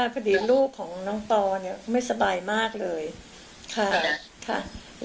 คุณวิมกับคุณละไหมนะคะดีใจนะที่ได้เห็นหน้ากันนะ